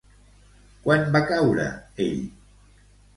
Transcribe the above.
Quan va caure ell?